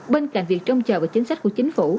bên cạnh việc trông trò về chính sách của chính phủ